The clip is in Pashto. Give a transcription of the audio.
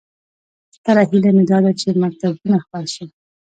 ستره هیله مې داده چې مکتبونه خلاص شي